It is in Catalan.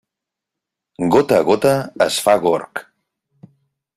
Gota a gota es fa gorg.